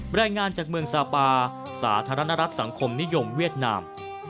รายงานจากเมืองซาปาสาธารณรัฐสังคมนิยมเวียดนาม